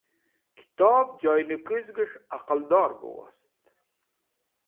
Kitob joynẽ kuzges̃h aqẽldor bẽ wost.